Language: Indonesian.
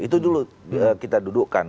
itu dulu kita dudukkan